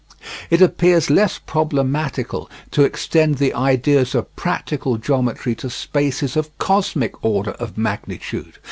It appears less problematical to extend the ideas of practical geometry to spaces of cosmic order of magnitude.